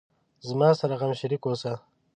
زما سره غم شریک اوسه